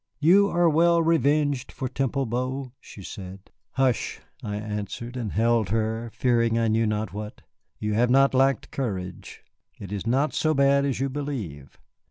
"You are well revenged for Temple Bow," she said. "Hush," I answered, and held her, fearing I knew not what, "you have not lacked courage. It is not so bad as you believe.